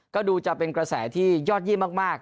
ก็ดูจะเป็นกระแสที่ยอดเยี่ยมมาก